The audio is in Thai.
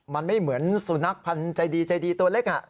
มันไม่เหมือนสุนัขพันธุ์ใจดีตัวเล็กอ่ะ